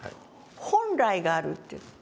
本来があるっていう。